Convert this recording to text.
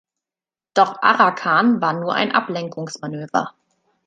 Doch Arakan war nur ein Ablenkungsmanöver.